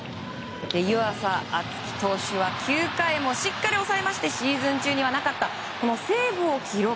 湯浅京己投手は９回もしっかり抑えましてシーズン中にはなかったセーブを記録。